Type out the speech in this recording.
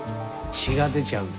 血が出ちゃうの？